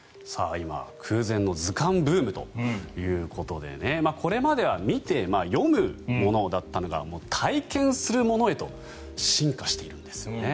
今、空前の図鑑ブームということでこれまでは見て、読むものだったのが体験するものへと進化しているんですね。